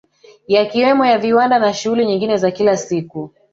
Yakiwemo ya viwanda na shughuli nyingine za kila siku